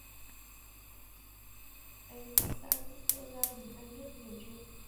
Em cũng đã giúp đỡ gia đình anh rất nhiều chuyện